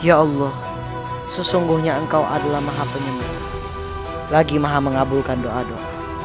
ya allah sesungguhnya engkau adalah maha penyanyi lagi maha mengabulkan doa doa